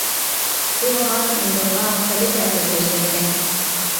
بۇ ھال مېندېلغا خېلى تەسىر كۆرسەتكەن.